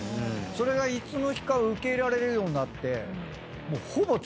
それがいつの日か受け入れられるようになって。